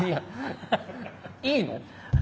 いいの？